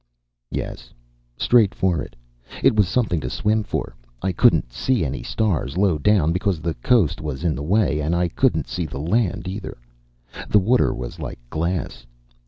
"Yes straight for it. It was something to swim for. I couldn't see any stars low down because the coast was in the way, and I couldn't see the land, either. The water was like glass.